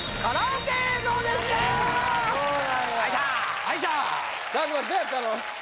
どうやったの？